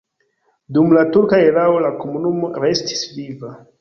Dum la turka erao la komunumo restis viva.